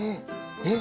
えっ？